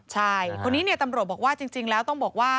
ใช่คนนี้ตำรวจบอกว่าจริงแล้วต้องบอกว่า